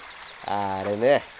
ああれね。